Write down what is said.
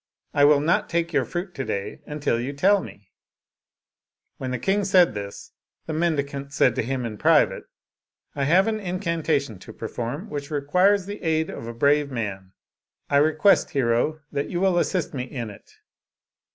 I will not take your fruit to day until you tell me." When 113 Oriental Mystery Stories the king said this, the mendicant said to him in private, " I have an incantation to perform which requires the aid of a brave man. I request, hero, that you will assist me in it."